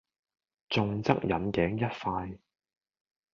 重則引頸一快